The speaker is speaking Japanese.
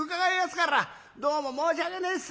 どうも申し訳ねえっす」。